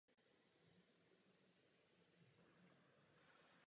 Nyní mají členské státy na implementaci nové směrnice dva roky.